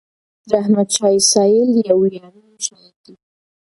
رحمت شاه سایل یو ویاړلی شاعر دی.